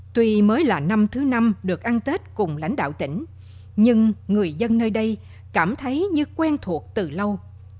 tuy mới là năm thứ năm được ăn tết cùng lãnh đạo tỉnh nhưng người dân nơi đây cảm thấy như quen thuộc từ lâu